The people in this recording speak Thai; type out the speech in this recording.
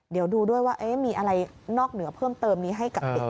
เดี๋ยวดูด้วยว่ามีอะไรนอกเหนือเพิ่มเติมนี้ให้กับเด็ก